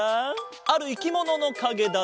あるいきもののかげだぞ。